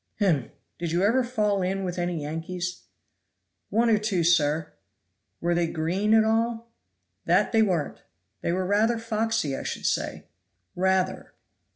Hem! did you ever fall in with any Yankees?" "One or two, sir." "Were they green at all?" "That they weren't. They were rather foxy, I should say." "Rather.